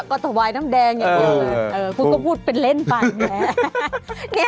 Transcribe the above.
คุณก็พูดเป็นเล่นไปแม่